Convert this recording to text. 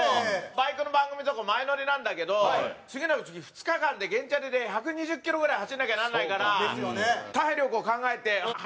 バイクの番組とか前乗りなんだけど２日間で原チャリで１２０キロぐらい走らなきゃならないから体力を考えて早めに寝る芸人になっちゃって。